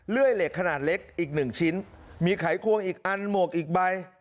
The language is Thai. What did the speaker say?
เลื่อยเหล็กขนาดเล็กอีกหนึ่งชิ้นมีไขควงอีกอันหมวกอีกใบ